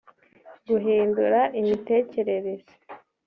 guhindura imitekerereze